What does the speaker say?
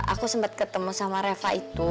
aku sempat ketemu sama reva itu